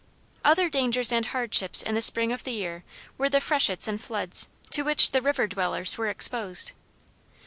Other dangers and hardships in the spring of the year were the freshets and floods to which the river dwellers were exposed.